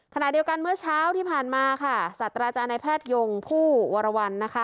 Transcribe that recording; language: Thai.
ขณะเดียวกันเมื่อเช้าที่ผ่านมาค่ะสัตว์อาจารย์ในแพทยงผู้วรวรรณนะคะ